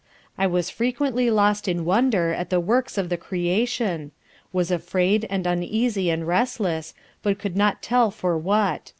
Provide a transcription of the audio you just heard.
I was frequently lost in wonder at the works of the Creation: was afraid and uneasy and restless, but could not tell for what.